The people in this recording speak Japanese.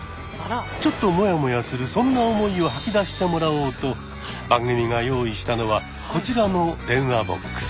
ちょっともやもやするそんな思いを吐き出してもらおうと番組が用意したのはこちらの電話ボックス。